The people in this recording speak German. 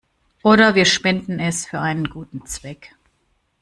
Oder wir spenden es für einen guten Zweck.